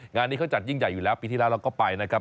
งานนี้เขาจัดยิ่งใหญ่อยู่แล้วปีที่แล้วเราก็ไปนะครับ